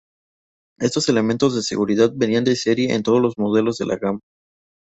Estos elementos de seguridad venían de serie en todos los modelos de la gama.